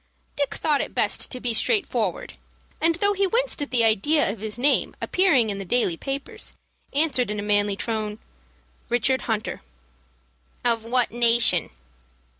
Dick thought it best to be straightforward, and, though he winced at the idea of his name appearing in the daily papers, answered in a manly tone, "Richard Hunter." "Of what nation?"